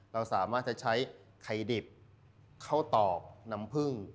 เราสามารถจะใช้ไข่ดิบเข้าตอกน้ำผึ้ง